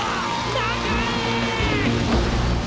中へ‼